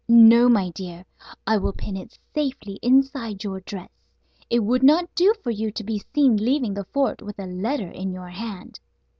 "No, my dear, I will pin it safely inside your dress. It would not do for you to be seen leaving the fort with a letter in your hand."